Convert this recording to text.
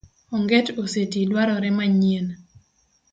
Onget oseti dwarore manyien.